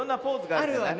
あるわね。